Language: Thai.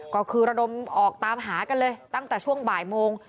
ก็คือระดมออกตามหากันเลยตั้งแต่ช่วงบ่ายโมง